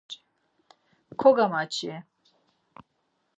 Kogamaçi.